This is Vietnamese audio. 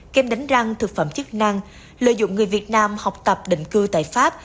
kem đánh răng thực phẩm chức năng lợi dụng người việt nam học tập định cư tại pháp